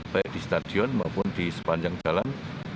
baik di stadion maupun di sepanjang jalan